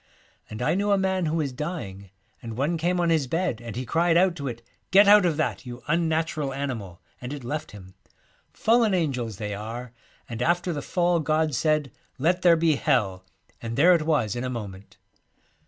And I knew a man who was dying, and one came on his bed, and he cried out to it, "Get out of that, you unnatural animal !" and it left him. Fallen angels they are, and after the fall God said, " Let there be Hell," and there it was in a moment.'